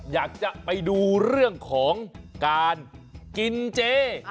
อยากจะไปดูเรื่องของการกินเจ